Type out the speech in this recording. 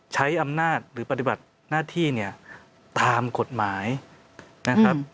ใช้อำนาจหรือปฏิบัติหน้าที่เนี่ยตามกฎหมายนะครับ